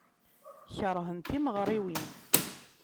Keṛhen timeɣriwin.